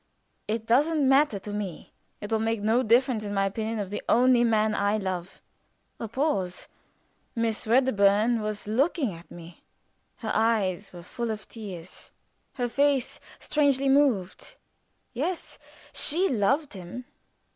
It doesn't matter to me. It will make no difference in my opinion of the only man I love." A pause. Miss Wedderburn was looking at me; her eyes were full of tears; her face strangely moved. Yes she loved him.